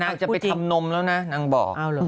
จะไปทำนมแล้วนะนางบอก